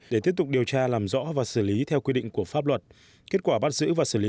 để tiếp tục điều tra làm rõ và xử lý theo quy định của pháp luật kết quả bắt giữ và xử lý